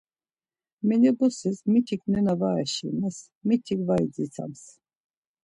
Minibusis mitik nena var eşimels, mitik var idzitsams.